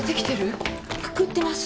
くくってます。